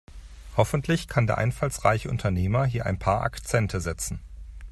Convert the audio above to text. Hoffentlich kann der einfallsreiche Unternehmer hier ein paar Akzente setzen.